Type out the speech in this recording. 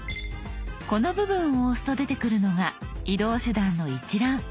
この部分を押すと出てくるのが移動手段の一覧。